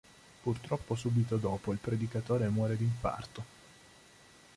Purtroppo subito dopo il predicatore muore di infarto.